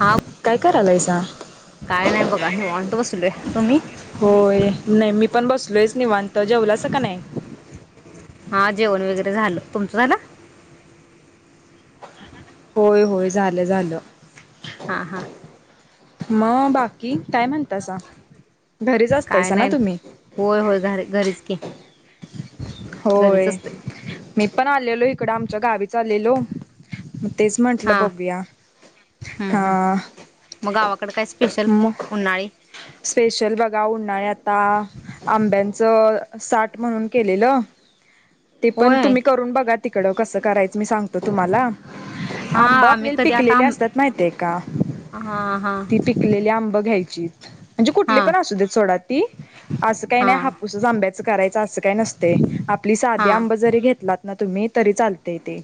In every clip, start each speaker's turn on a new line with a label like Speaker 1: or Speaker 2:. Speaker 1: हा
Speaker 2: काय कराय लायसा.
Speaker 1: काय नाही बघा निवांत बसलोय, तुम्ही.
Speaker 2: होय नाही मी पण बसलोयच निवांत जेवलाच का नाही?
Speaker 1: हा जेवण वगैरे झालं, तुमचं झालं.
Speaker 2: होय, होय झालं, झालं.
Speaker 1: हां हां.
Speaker 2: मग बाकी काय म्हणतासा, घरीच
Speaker 1: काय
Speaker 2: असतायसा ना
Speaker 1: नाही
Speaker 2: तुम्ही.
Speaker 1: होय होय घरी घरीच की. घरीच
Speaker 2: होय,
Speaker 1: असते
Speaker 2: मी पण आलेलो इकडं आमच्या गावीच आलेलो. मग तेच म्हटलं
Speaker 1: हा
Speaker 2: बघूया,
Speaker 1: हम्म हम्म
Speaker 2: हा.
Speaker 1: मग गावाकडे काय स्पेशल,
Speaker 2: मग
Speaker 1: उनाळी.
Speaker 2: स्पेशल बघा उन्हाळी आता. आंब्यांचं साठ म्हणून केलेलं. ते पन तु
Speaker 1: होय
Speaker 2: मी करून बगा तिकडं कसं करायचं मी सांगतो तुमाला.
Speaker 1: हा
Speaker 2: आंब
Speaker 1: आम्ही
Speaker 2: आपली
Speaker 1: कधी आता
Speaker 2: पिकलेली
Speaker 1: आम
Speaker 2: असत्यात म्हायतेय का
Speaker 1: हां हां
Speaker 2: ती पिक लेली आंब घ्यायची, म्हणजे कुटली
Speaker 1: हां
Speaker 2: पन असूदेत सोडाती, अस काय नाय
Speaker 1: हां
Speaker 2: हापूस आंब्याच करायचं असं काय नसतय. आपली सादी
Speaker 1: हां
Speaker 2: आंब जरी घेतलातना तुम्ही तरी चालतेय ते.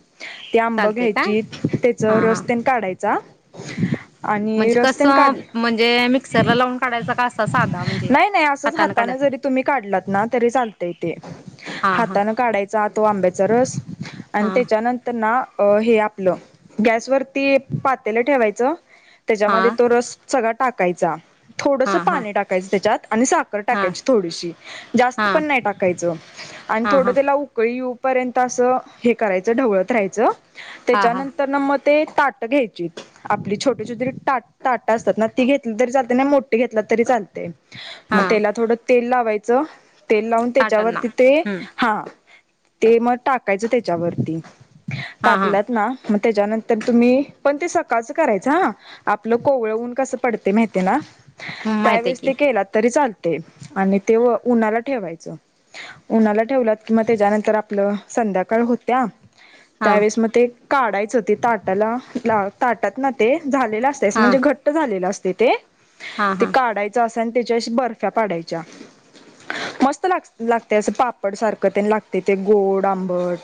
Speaker 2: ती आंब
Speaker 1: चालते काय
Speaker 2: घ्यायची तेच
Speaker 1: हां हां
Speaker 2: रस तेन काडायचा. आणि
Speaker 1: म्हणजे
Speaker 2: रस तेन
Speaker 1: कसं
Speaker 2: काढ,
Speaker 1: म्हणजे मिक्सरला लावून काढायचा का असा साधा म्हणजे
Speaker 2: नाई नाई असच
Speaker 1: हाताने काढा
Speaker 2: हाताना जरी तुम्ही काडलातना तरी चालतय ते.
Speaker 1: हां हां.
Speaker 2: काडायचा तो आंब्याचा रस, अन्
Speaker 1: हां
Speaker 2: तेच्या नं तर ना अ हे आपलं गॅसवरती पातेल ठेवायचं. तेच्यामदे
Speaker 1: हां
Speaker 2: तो रस सगळा टाकायचा. थोडसं
Speaker 1: हां हां
Speaker 2: पाणी टाकायचं तेच्यात आणि साखर
Speaker 1: हां हां
Speaker 2: टाकायची थोडीशी जास्त
Speaker 1: हां
Speaker 2: पन नई टाकायचं. आणि
Speaker 1: हां
Speaker 2: थोडं
Speaker 1: हां
Speaker 2: त्याला उकळी येऊ पर्यंत अस हे करायचं ढवळत राहायच,
Speaker 1: हां हां
Speaker 2: त्याच्यानंतर म ते ताट घ्यायची. आपली छोटी छोटी टा ताट असतात ना ती घेतली तरी चालते ना मोठे घेतला तरी चालतय.
Speaker 1: हा
Speaker 2: मग त्याला थोडं तेल लावायचं, तेल लावून
Speaker 1: ताटांना
Speaker 2: त्याच्यावरती ते.
Speaker 1: हम्म
Speaker 2: हा, ते मग टाकायचं त्याच्यावरती,
Speaker 1: हा हा
Speaker 2: टाकल्यात ना. म तेच्यानंतर तुमी पनते सकाळचं करायचं हां. आपलं कोवळ ऊन कसं पडते म्हैतेना,
Speaker 1: हम्म माहित आहे
Speaker 2: त्यावेेळेस
Speaker 1: की
Speaker 2: ते केलात तरी चाल तय आणि ते उनाला ठेवायच, उनाला ठेवलात किम त्याच्यानंतर आपलं संध्याकाळ होत्या,
Speaker 1: हा
Speaker 2: त्यावेळेस म ते. काडायचं ते ताटाला ला ताटात ना ते झालेलं असतेस
Speaker 1: हा
Speaker 2: म्हंजे घट् ट्ट झालेल असतेते
Speaker 1: हा
Speaker 2: ते
Speaker 1: हा
Speaker 2: काढाय च असन तेची अशी बर्फ्या पाडायच्या मस्त ला लागतयं असं पाप बट सारख तेन लागतय ते गोड, आंबट.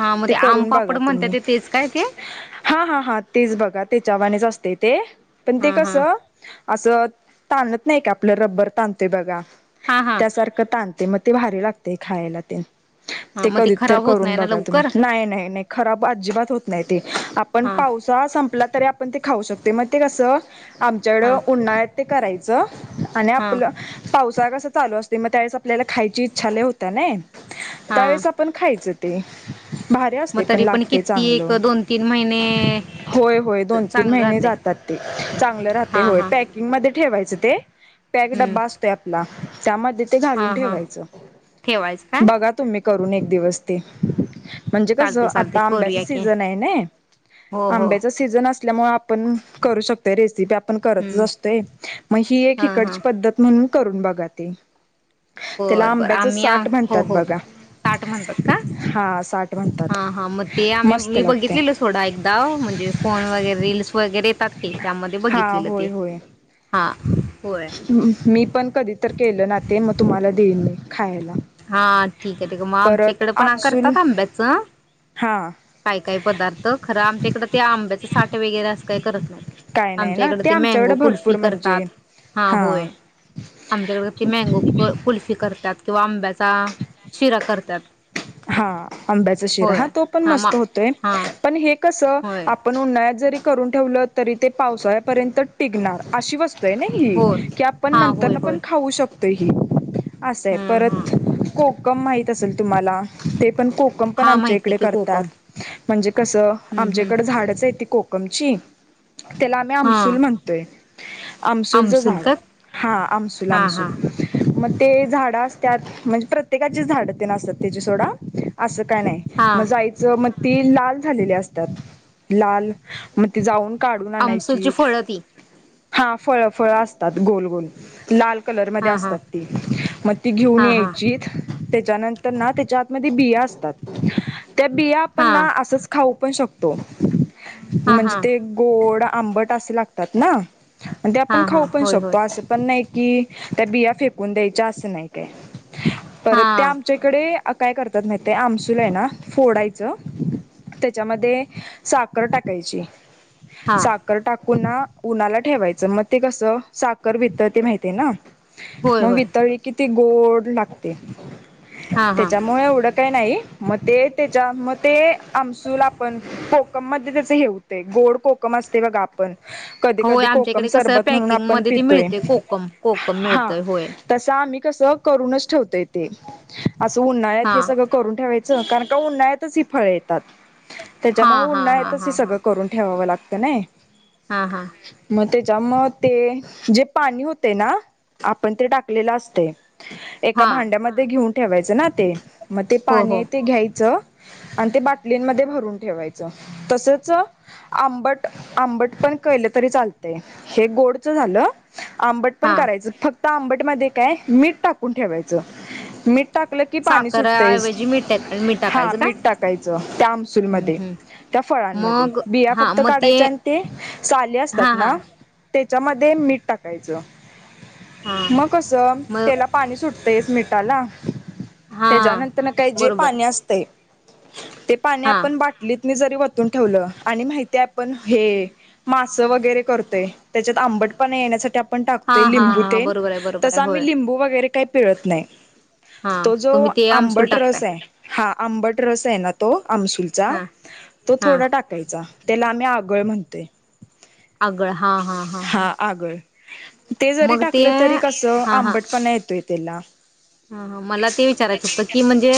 Speaker 1: हां मते
Speaker 2: ते करून
Speaker 1: आमपापड म्हंत्याते तेच काय ते?
Speaker 2: हां हां हां तेच बगा तेच्यावानीच असते ते पन ते
Speaker 1: हा हा
Speaker 2: कसं असं तानत नइका आपलं रबर तानतोय बगा
Speaker 1: हा हा
Speaker 2: त्यासार क तानते मते भारी लागते खायला ते.
Speaker 1: हा
Speaker 2: ते
Speaker 1: मग
Speaker 2: कधीत्तर
Speaker 1: खराब होत
Speaker 2: करून
Speaker 1: नाही ना
Speaker 2: बगा तुम्ही
Speaker 1: लवकर
Speaker 2: नाय नाय नाय खराब अज्जीबात होत नायते आपण
Speaker 1: हा
Speaker 2: पावसाळा संपला तरी आपन ते खाऊ शकतोय मते कसं. आमच्याकड
Speaker 1: हा
Speaker 2: उन्नाळ्यात ते करायचं आणि
Speaker 1: हा
Speaker 2: आपलं पावसाळा कसं चालू असतोय म त्यावेळेस आपल्याला खायची इच्छा लई होत्या नइ
Speaker 1: हा
Speaker 2: त्यावेळेस आप पण खायच ते भारी
Speaker 1: मग
Speaker 2: असतंय पण
Speaker 1: तरी
Speaker 2: लागतंय
Speaker 1: किती एक
Speaker 2: चांगलं.
Speaker 1: दोन तीन महिने
Speaker 2: होय होय दोनतीन
Speaker 1: चांगलं
Speaker 2: महिने
Speaker 1: राहते
Speaker 2: जातातते चांगलं राहतय
Speaker 1: हा
Speaker 2: होय
Speaker 1: हा
Speaker 2: पॅक ईंग मध्ये ठेवायचं ते पॅक
Speaker 1: हम्म
Speaker 2: डब्बा असतोय आपला त्यामध्ये ते
Speaker 1: हा
Speaker 2: घालून
Speaker 1: हा
Speaker 2: ठेवायचं.
Speaker 1: ठेवायचं काय
Speaker 2: बगा तुम्ही करून एक दिवस ते. म्हंजे कसं
Speaker 1: चालते चालते
Speaker 2: आता आंब्याच
Speaker 1: करूया की
Speaker 2: सीझन हाय नाही
Speaker 1: हो हो
Speaker 2: आंब्याच सी सीझन असल्यामुळ आपनं करू शक तोय रेसिपी आपन करतच
Speaker 1: हम्म
Speaker 2: असतोय मग ही एक
Speaker 1: हा हा
Speaker 2: हिकडची पद्धत म्हणून करून बघा ते. त्याला
Speaker 1: बरं बर
Speaker 2: आंब्याचं
Speaker 1: आम्ही आ
Speaker 2: साठ
Speaker 1: हो
Speaker 2: म्हणतात
Speaker 1: हो
Speaker 2: बघा
Speaker 1: ताट म्हणतात का
Speaker 2: हा साठ
Speaker 1: हां
Speaker 2: म्हणतात
Speaker 1: हां मते आम्ही
Speaker 2: मस्त
Speaker 1: मी
Speaker 2: लागते
Speaker 1: बघितलेलं सोडा एकदा म्हंजे फोन वगैरे रील्स वगैरे येतात की त्यामध्ये
Speaker 2: हा
Speaker 1: बघितलेलं ते.
Speaker 2: होय होय
Speaker 1: हां होय.
Speaker 2: मी पन कधी तर केलना ते म तुम्हाला देईन खायला.
Speaker 1: हां ठीके ठीक म आमच्या
Speaker 2: परत
Speaker 1: इकडे पण आ
Speaker 2: आमसूल
Speaker 1: करतात आंब्याच.
Speaker 2: हा
Speaker 1: काय काय पदार्थ खरं आमच्या इकडं ते आंब्याचे साटे वेगैरे असं काही करत नाईत.
Speaker 2: काय नाही
Speaker 1: आमच्या
Speaker 2: ना
Speaker 1: इकडं ते मँगो
Speaker 2: आमच्याकडे
Speaker 1: कुल्फी
Speaker 2: भरपूर म्हणजे
Speaker 1: करतात हां
Speaker 2: हा
Speaker 1: होय. आमच्याकड क ते मँगो क कुल्फी करतात किंवा आंब्याचा शिरा करत्यात.
Speaker 2: हा आंब्याचा शिरा हा तो पण मस्त होतोय
Speaker 1: हा
Speaker 2: पण हे कस
Speaker 1: होय
Speaker 2: आपण उन्हात जरी करून ठेवलं तरी ते पावसाळ्यापर्यंत टिगनार अशी वत
Speaker 1: हो
Speaker 2: ह कि आपण
Speaker 1: हा होय
Speaker 2: नंतर
Speaker 1: होय
Speaker 2: पण खाऊ शकतो हे. असंय
Speaker 1: हम्म हा
Speaker 2: परत कोकम माहित असेल तुम्हाला ते पण कोक कोकम पण
Speaker 1: हा
Speaker 2: आमच्या
Speaker 1: माहिती
Speaker 2: इकडे
Speaker 1: की कोकम
Speaker 2: करतात म्हणजे कसं
Speaker 1: हम्म हम्म
Speaker 2: आमच्याकड झाडच आहे त कोक कमची त्याला आम्ही
Speaker 1: हा
Speaker 2: अमसुल म्हणतोय. आमसूलचं
Speaker 1: आमसूल
Speaker 2: झाड
Speaker 1: का
Speaker 2: हा आमसूल
Speaker 1: हा हा
Speaker 2: आमसूल. मग ते झाडं असतत म्हणजे प्रत्येकाची झाडं ते न असतात त्याचे सोडा असं काय नाही.
Speaker 1: हा
Speaker 2: मग जायचं मग ते लाल झालेली असतात लाल मग ती जाऊन काढून आणायची.
Speaker 1: आमसूलची फळं ती
Speaker 2: हा फळ फळं असतात गोल गोल लाल कलर मध्ये
Speaker 1: हा हा
Speaker 2: असतात ते मग ते घेऊन
Speaker 1: हा हा
Speaker 2: यायचीत तेज्यानंतर ना तेज्या आतमध्ये बिया असतात, त्या बिया आपण
Speaker 1: हा
Speaker 2: ना असच खाऊ पण शकतो.
Speaker 1: हा
Speaker 2: म्हंजे
Speaker 1: हा
Speaker 2: ते गोड, आंबट असे लागतात ना. अन् ते आपन
Speaker 1: हा हा
Speaker 2: खाऊ पन
Speaker 1: होय होय
Speaker 2: शकतो असं पन नाई कि त्या बिया फेकून द्यायच्या असं नाय काय.
Speaker 1: हा
Speaker 2: परत ते आमच्या इकडे अ काय करतात माहिताय आमसूल हाय ना फोडायचं. त्याच्यामध्ये साखर टाकायची.
Speaker 1: हा
Speaker 2: साख साकर टाकून उन्हाला ठेवायचं मग ते कसं साखर वित ते माहिती आहे ना.
Speaker 1: होय
Speaker 2: मग
Speaker 1: होय
Speaker 2: वितळी कि ती गोड लागते.
Speaker 1: हा हा
Speaker 2: त्याच्यामुळे एवढं काही नाही मग ते त्याच्या मग ते आमसूल आपण कोकम मध्ये त्याच हे होते गोड कोकम असते बगा प कधी
Speaker 1: होय
Speaker 2: कधी
Speaker 1: आमच्या
Speaker 2: कोकम
Speaker 1: इकडे कसं
Speaker 2: सरबत म्हणून आपण
Speaker 1: पॅकिंगमध्ये ते
Speaker 2: पितोय
Speaker 1: मिळते कोकम कोकम
Speaker 2: हा.
Speaker 1: मिळतय होय
Speaker 2: तसं आम्ही कसं करूनच ठेवतोय ते असं उन्हाळ्यात
Speaker 1: हा
Speaker 2: हे सगळं करून ठेवायचं कारण का उन्हाळतच ही फळ येतात
Speaker 1: हा
Speaker 2: त्याच्यामुळे
Speaker 1: हा
Speaker 2: उनंड
Speaker 1: हा
Speaker 2: यच हे
Speaker 1: हा हा
Speaker 2: सगळं करून ठेवावं लागतं नाही
Speaker 1: हा हा
Speaker 2: मग त्याच्या मग ते जे पाणी होते ना आपण ते टाकलेलं असत एका
Speaker 1: हा
Speaker 2: भांड्यामध्ये घेऊन ठेवायचं ना ते मग ते
Speaker 1: हो
Speaker 2: पाणी
Speaker 1: हो
Speaker 2: आहे ते घ्यायचं आणि ते बाटलींमध्ये भरून ठेवायचं तसच आंबट आंबट पण केलं तरी चालते हे गोडच झालं आंबट
Speaker 1: हा
Speaker 2: कराय फक्त आंबट म काय मीठ टाकून ठेवायच मीठ टा टकलं की पाणी सुटतायस
Speaker 1: साखरऐवजी मीठ टाक
Speaker 2: हा
Speaker 1: टाकायचं का
Speaker 2: मीठ टाकायचं त्या
Speaker 1: हम्म
Speaker 2: आमसूलमध्ये
Speaker 1: हम्म
Speaker 2: त्या फळांमध्ये
Speaker 1: मग
Speaker 2: बिया
Speaker 1: हा
Speaker 2: फक्त
Speaker 1: मग
Speaker 2: काढायच्या आणि ते साले
Speaker 1: हा
Speaker 2: असतात
Speaker 1: हा
Speaker 2: ना त्याच्यामध्ये मीठ टाकायचं
Speaker 1: हा
Speaker 2: मग कं
Speaker 1: मग
Speaker 2: त्याला पाणी सुट तेस मिीठाला
Speaker 1: हां
Speaker 2: त्याच्यानंतर काही जे
Speaker 1: बरोबर
Speaker 2: पाणी असतय ते पाणी
Speaker 1: हां
Speaker 2: आपण बाटली जरी वतून ठेवलं आणि माहितीय आपण हे मासं वगैरे करतेय त्याच्यात आंबट पाणी येण्यासाठी ण टाकतोय
Speaker 1: हां हां
Speaker 2: लिंबू
Speaker 1: हां
Speaker 2: तेन
Speaker 1: बरोबर आहे बरोबर
Speaker 2: तस
Speaker 1: आहे होय
Speaker 2: आम्ही लिंबू वगैरे काही पिळत नाही
Speaker 1: हां
Speaker 2: तो जो
Speaker 1: तुम्ही ते आमसूल
Speaker 2: आंबट
Speaker 1: टाकताय
Speaker 2: रस आहे हा आंबट रस आहे ना तो आमसूलचा
Speaker 1: हां
Speaker 2: तो
Speaker 1: हां
Speaker 2: थोडा टा त्याला आम्ही आगळ म्हणतोय
Speaker 1: आगळ हा हा हां हां
Speaker 2: अगं ते जरी
Speaker 1: मग ते
Speaker 2: टाकलं तरी कसं
Speaker 1: हां
Speaker 2: आंबटपणा येतोय त्याला
Speaker 1: ह मला ते विचारायचं होतं की म्हणजे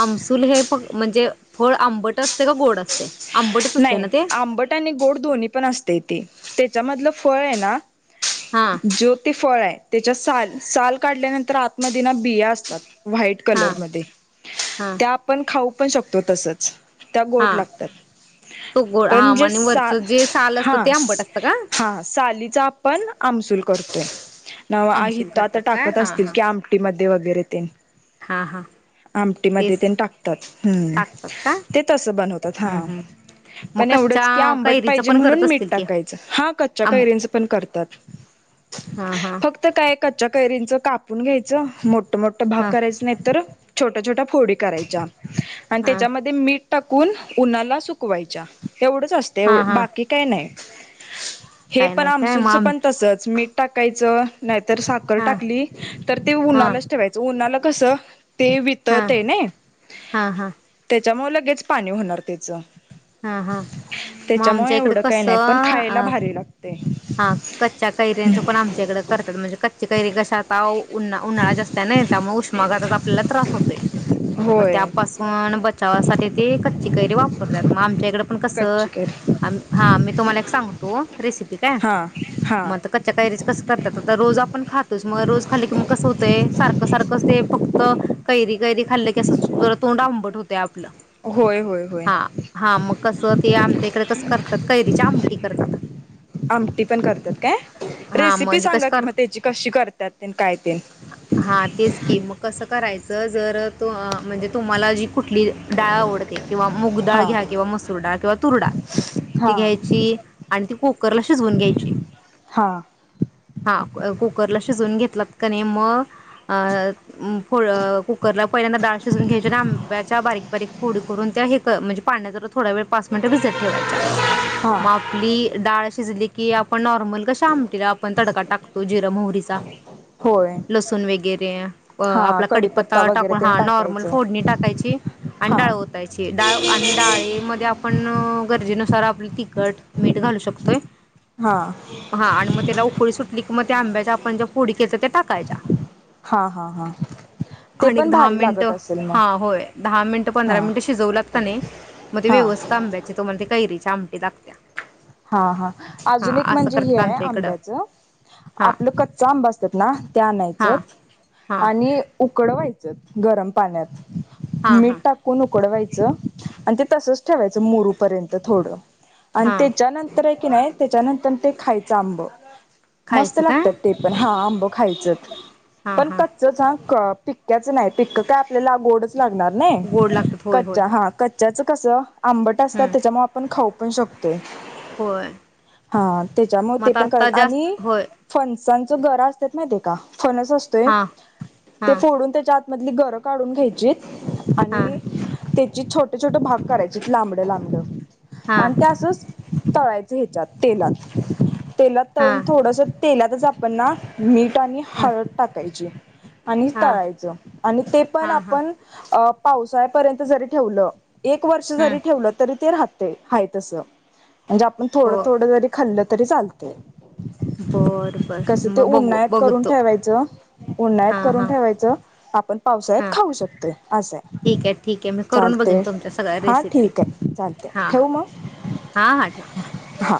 Speaker 1: आमसूल हे म्हणजे फळ आंबट असते का गोड असते आंबटच असते ना
Speaker 2: नाही
Speaker 1: ते
Speaker 2: आंबट आणि गोड दोन्ही पण असते ते त्याच्यामधलं फळ आहे ना
Speaker 1: हां
Speaker 2: ज ते फळ आहे त्याच्या साल साल काढल्यानंतर आत्मदिना बिया असतात व्हाईट
Speaker 1: हां
Speaker 2: कलरमध्ये
Speaker 1: हां
Speaker 2: त्या आपण खाऊ पण शकतो तसच त्या गोड
Speaker 1: हां
Speaker 2: लागतात
Speaker 1: तो गोड हा
Speaker 2: पण जे
Speaker 1: आणि
Speaker 2: सा
Speaker 1: वरचं जे साल असतं
Speaker 2: हा
Speaker 1: ते आंबट असतं का
Speaker 2: हा सालीचा पण आमसूल करतोय अ
Speaker 1: आमसूल
Speaker 2: हीत आता
Speaker 1: करतात काय
Speaker 2: टाकत
Speaker 1: हां
Speaker 2: असतील
Speaker 1: हां
Speaker 2: की आ आटी म वगैरे ते
Speaker 1: हां हां
Speaker 2: आमटीमध्ये
Speaker 1: तेच
Speaker 2: ते टाकतात् हुम
Speaker 1: टाकतात का
Speaker 2: ते तसं बनवतात हां
Speaker 1: हम्म हम्म मग
Speaker 2: पण एवढंच की
Speaker 1: कच्च्या
Speaker 2: आंबट
Speaker 1: कैरीचं
Speaker 2: पाहिजे
Speaker 1: पण करत
Speaker 2: म्हणून मीठ
Speaker 1: असतील की
Speaker 2: टाकायचं हा कच्च्या
Speaker 1: आम
Speaker 2: कैरींचं पण करतात
Speaker 1: हा हा
Speaker 2: फक्त काय कच्च्या कैरींच कापून घ्यायचं मोठ मोठं भाग
Speaker 1: हा
Speaker 2: करायचं नाही तर छोट्या छोट्या फोडी करायच्या आणि
Speaker 1: हा
Speaker 2: त्याच्यामध्ये मीठ टाकून उन्हाला सुकवायच्या एवढंच असत
Speaker 1: हा हा
Speaker 2: बाकी काही नाही. हे
Speaker 1: काय
Speaker 2: पण
Speaker 1: नाही काय मग
Speaker 2: आमसूलचं पण
Speaker 1: आमच
Speaker 2: तसंच मीठ टाकायचं नाहीतर साखर
Speaker 1: हा
Speaker 2: टाकली तर ते
Speaker 1: हा
Speaker 2: उन्हालाच ठेवायचं उन्हाला कसं ते वितळ
Speaker 1: हा
Speaker 2: तय नयी
Speaker 1: हा हा
Speaker 2: त्याच्यामुळ लगेच पाणी होणार त्याचं
Speaker 1: हा हा मग
Speaker 2: त्याच्यामुळे
Speaker 1: आमच्या इकडे
Speaker 2: एवढं काही नाही पण
Speaker 1: कसं
Speaker 2: खायला
Speaker 1: अ
Speaker 2: भारी लागते
Speaker 1: हा कच्च्या कैर्यांचं पण आमच्या इकडे करतात म्हणजे कच्ची कैरी कशा आ उन उन्हाळा जास्त त्या नाही त्यामुळे उष्मागाातच आपल्याला त्रास होतो
Speaker 2: होय
Speaker 1: त्यापासून बचावासाठी ते कच्ची कैरी वापरतात मग आमच्या इकडें कस
Speaker 2: कच्ची कैरी
Speaker 1: हा मी तुम्हाला एक सांगतो रेसिपी काय
Speaker 2: हा हा
Speaker 1: म कैरी करतात आता रोज आपण खातोच मग रोज खाली की मग कसं होतंय सारखं सारखंच ते फक्त च कैरी कैरी खाल्लं की असं जरा तोंड आंबट होत आपलं
Speaker 2: होय होय होय
Speaker 1: हा हा मग कसं ते आमच्या इकडे कसं करतात कैरीच्या आमटी करतात
Speaker 2: आमटी पण करतात काय
Speaker 1: हा
Speaker 2: रेसिपी
Speaker 1: म्हणजे
Speaker 2: सांगा
Speaker 1: कसं
Speaker 2: कि
Speaker 1: कर
Speaker 2: मग त्याची कशी करतात तेन काय तेन
Speaker 1: हा तेच की मग कसं करायचं जर त म्हणजे तुम्हाला जी कुठली डाळ आवडते किंवा मुगडाळ
Speaker 2: हा
Speaker 1: घ्या किंवा मसूर डाळ किंवा तुरडाळ ती
Speaker 2: हा
Speaker 1: घ्यायची आणि ती कुकरला शिजवून घ्यायची.
Speaker 2: हा
Speaker 1: हा कुकरला शिजून घेतलात कनी मग फ कुकरला पहिल्यांदा डाळ शिजून घ्यायची आणि आंब्याच्या बारीक बारीक फोडी करून त्या हे म्हणजे पाण्या ज थोड वेळ पाच मिनटं भिजत ठेवायच्या
Speaker 2: हा
Speaker 1: मग आपली डाळ शिजली की आपण नॉर्मल कशा आमटीला आपण तडका टाकतो जिरा मोहरीचा
Speaker 2: होय
Speaker 1: लसूण वगैरे अ
Speaker 2: हा
Speaker 1: आपला कडीपत्ता
Speaker 2: वगैरे
Speaker 1: टाकून
Speaker 2: ते
Speaker 1: हा नॉर्मल
Speaker 2: टाकायचं
Speaker 1: फोडणी टाकायची आणि
Speaker 2: हा
Speaker 1: डाळ ओतायची डाळ आणि डाळेमध्ये पण गरजेनुसार आपलं तिखट मीठ घालू शकतोय
Speaker 2: हा
Speaker 1: हा आणि मग त्याला उकळी सुटली की मग त्या आंब्याच्या आपण ज्या फोडी केलती ते टाकायच्या
Speaker 2: हां हां हां
Speaker 1: आणि दहा मिनिटं हा होय दहा मिनिटं पंधरा
Speaker 2: हा
Speaker 1: मिनिट शिजलात कनी मध्ये ते
Speaker 2: हा
Speaker 1: व्यवस्थित आंब्याचे तो म्हण ते कैरीच्या आमटी लागत्या
Speaker 2: हा हा
Speaker 1: हा
Speaker 2: अजून एक
Speaker 1: असं
Speaker 2: म्हणजे हे
Speaker 1: करतात
Speaker 2: आहे
Speaker 1: आमच्या इकडं
Speaker 2: आंब्याचं
Speaker 1: हा
Speaker 2: आपलं कच्चा आंब असतात ना त्या आणायच
Speaker 1: हा हा
Speaker 2: आणि उकडवायचं गरम पाण्यात
Speaker 1: हा
Speaker 2: मीठ
Speaker 1: हा
Speaker 2: टाकू उडवायच आणि ते तसच ठेवायच मुरूपर्यंत थोड आणी
Speaker 1: हा
Speaker 2: ते त्यानंतर आहे की नाही त्याच्यानंतर ते खायचं आंब मस्त
Speaker 1: खायचं काय
Speaker 2: लागतात ते पण हा आंब खायचत
Speaker 1: हा
Speaker 2: पण
Speaker 1: हा
Speaker 2: कच च हां कर पी पिकक्याच नाही पिक्क काय आपल्याला गोडच लागणार नाही
Speaker 1: गोड लागतात होय होय
Speaker 2: कच्च्या हा कच्च्याच कस आंबट असतात
Speaker 1: हम्म
Speaker 2: त्याच्यामुळ आपण खाऊ पण शकतो
Speaker 1: होय.
Speaker 2: हा त्याच्यामुळे
Speaker 1: मग
Speaker 2: ते
Speaker 1: आता
Speaker 2: पण
Speaker 1: आत्ता
Speaker 2: करायच
Speaker 1: जास्त
Speaker 2: आणि
Speaker 1: होय
Speaker 2: फनसांच गरा असत नाही ते का फनस असतोय
Speaker 1: हां
Speaker 2: ते
Speaker 1: हां
Speaker 2: फोडून त्याच्यात मधली गरं काढून घ्यायचीत
Speaker 1: हां
Speaker 2: आणि त्याची छोटी ट छोटे भाग करायचेत लांबड लांबड आणि
Speaker 1: हां
Speaker 2: ते असंच तळायच ह्याच्यात तेलात तेलात तळून
Speaker 1: हां
Speaker 2: थोडस तेलातच आपण ना मीठ आणि
Speaker 1: हां
Speaker 2: हळद टाकायची आणि
Speaker 1: हां
Speaker 2: तळायचं आणि ते पण
Speaker 1: हां हां
Speaker 2: आपण पावसाळ्यापर्यंत जरी ठेवलं एक वर्ष
Speaker 1: हम्म
Speaker 2: जरी ठेवलं तरी ते राहते हाय तसं म्हणजे आपण थोडं थोडं जरी खाल्लं तरी चालते
Speaker 1: ह
Speaker 2: कस ते उन्हाळत करून ठेवायचं उन्हाळत
Speaker 1: हां
Speaker 2: करून
Speaker 1: हां
Speaker 2: ठेवायचं आपण पावसाळ्यात
Speaker 1: हां
Speaker 2: खाऊ शकतेय असं आहे
Speaker 1: ठीक आहे ठीक आहे मी करून बघेन
Speaker 2: चालते
Speaker 1: तुमच्या सगळ्या
Speaker 2: हा
Speaker 1: रेसिपी
Speaker 2: ठीक आहे चालते
Speaker 1: हा हा हा ठे
Speaker 2: हा